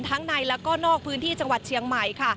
ทั้งในและนอกพื้นที่จังหวัดเฉียงใหม่